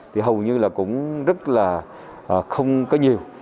thì hầu như là cũng rất là không có nhiều